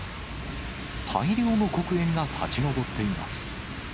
大量の黒煙が立ち上っています。